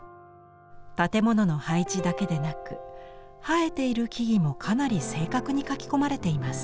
建物の配置だけでなく生えている木々もかなり正確に描き込まれています。